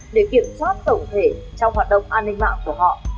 để kiểm soát tổng thể trong hoạt động an ninh mạng của họ